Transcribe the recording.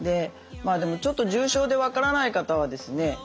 でもちょっと重症で分からない方はですね